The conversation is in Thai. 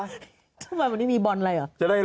ทำไมมันนี้มีบอนอะไรเสีย